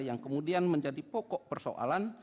yang kemudian menjadi pokok persoalan